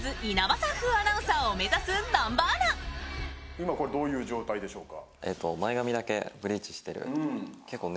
今これどういう状態でしょうか。